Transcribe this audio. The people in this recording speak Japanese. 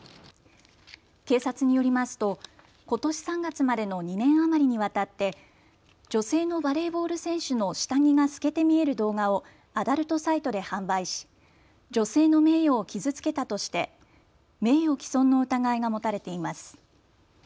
警察によりますとことし３月までの２年余りにわたって女性のバレーボール選手の下着が透けて見える動画をアダルトサイトで販売し女性の名誉を傷つけたとして名誉毀損の疑いが持たれています。